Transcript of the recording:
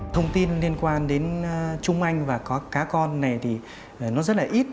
thông tin liên quan đến trung anh và có cá con này thì nó rất là ít